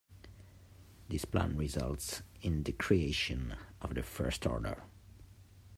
This plan results in the creation of the First Order.